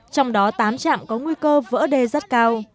trong đó tám trạm có nguy cơ vỡ đê rất cao